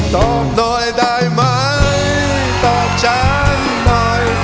ตอบหน่อยได้ไหมตอบจังหน่อย